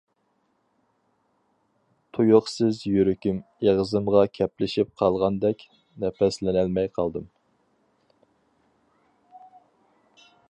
تۇيۇقسىز يۈرىكىم ئېغىزىمغا كەپلىشىپ قالغاندەك نەپەسلىنەلمەي قالدىم.